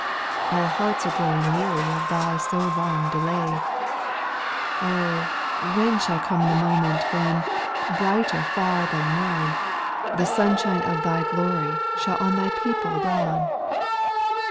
Our hearts are growing weary Of Thy so long delay : Oh I when shall come the moment. When, brighter far than mom, The sunshine of Thy glory Shall on Thy people dawn